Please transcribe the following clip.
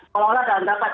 kalau orang dalam dapat